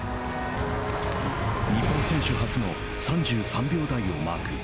日本選手初の３３秒台をマーク。